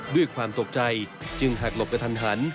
ด้วยความตกใจจึงหักหลบกระทันหัน